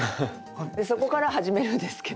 そこから始めるんですけど。